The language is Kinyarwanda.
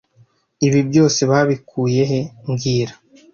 Ibi byose babikuye he mbwira